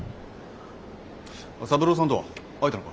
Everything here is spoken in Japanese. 三郎さんとは会えたのか？